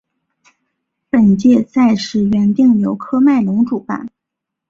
本届赛事原定由喀麦隆主办。